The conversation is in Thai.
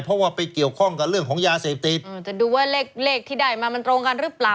เพราะว่าไปเกี่ยวข้องกับเรื่องของยาเสพติดจะดูว่าเลขเลขที่ได้มามันตรงกันหรือเปล่า